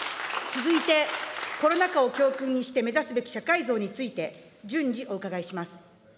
続いて、コロナ禍を教訓にして目指すべき社会像について、順次、お伺いします。